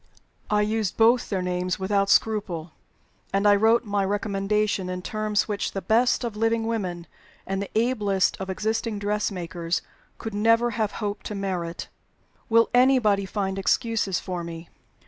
I used both their names without scruple; and I wrote my recommendation in terms which the best of living women and the ablest of existing dressmakers could never have hoped to merit. Will anybody find excuses for me?